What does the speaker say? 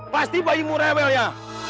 pasti bayimu rebel ya